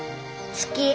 好き。